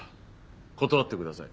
断ってください。